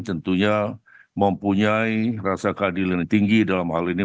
tentunya mempunyai rasa keadilan yang tinggi dalam hal ini